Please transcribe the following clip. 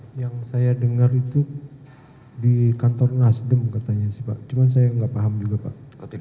hai yang saya dengar itu di kantor nasdem katanya sih pak cuman saya nggak paham juga pak